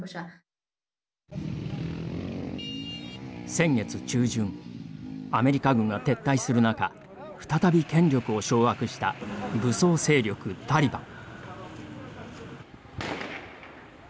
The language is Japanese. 先月中旬アメリカ軍が撤退する中再び権力を掌握した武装勢力タリバン。